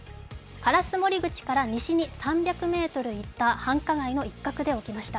烏森口から西に３００ｍ行った、繁華街の一角で起きました。